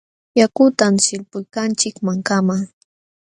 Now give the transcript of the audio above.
Yakutam sillpuykanchik mankaman.